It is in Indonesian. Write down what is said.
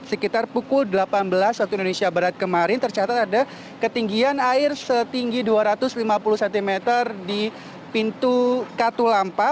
sekitar pukul delapan belas waktu indonesia barat kemarin tercatat ada ketinggian air setinggi dua ratus lima puluh cm di pintu katulampa